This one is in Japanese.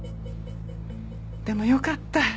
でもよかった。